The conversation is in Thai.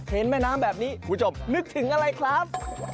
แม่น้ำแบบนี้คุณผู้ชมนึกถึงอะไรครับ